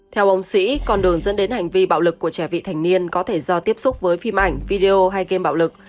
theo ông sĩ con đường dẫn đến hành vi bạo lực của trẻ vị thành niên có thể do tiếp xúc với phim ảnh video hay game bạo lực